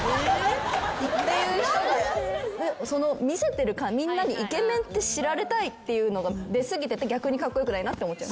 見せてるからみんなにイケメンって知られたいっていうのが出過ぎてて逆にカッコ良くないなって思っちゃう。